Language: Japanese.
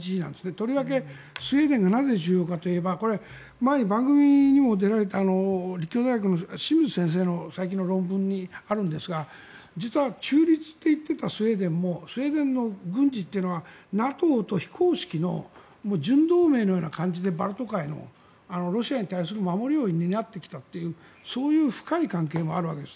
とりわけスウェーデンがなぜ重要かといえば前に番組にも出られた立教大学の先生の最近の論文にあるんですが実は中立と言っていたスウェーデンもスウェーデンの軍事というのはＮＡＴＯと非公式の準同盟のような感じでバルト海のロシアに対する守りになってきたそういう深い関係もあるわけです。